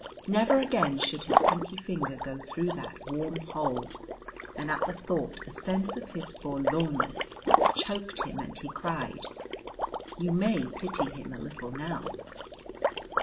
Never again should his pinkie finger go through that warm hole, and at the thought a sense of his forlornness choked him and he cried. You may pity him a little now.